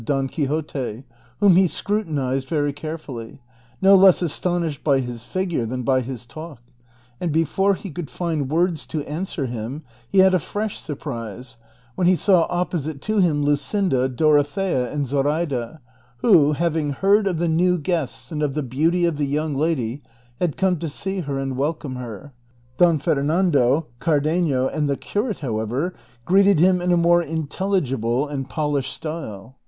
361 Don Quixote, whom he scrutinized very carefully, no less as tonished by his figure than by his talk ; and before he could find words to answer him he had a fresh surprise, when he saw opposite to him Luscinda, Dorothea, and Zoraida, who, having heard of the new guests and of the beauty of the young lady, had come to see her and welcome her ; Don Fernando, Cardenio, and the curate, however, greeted him in a more intelligible and polished style.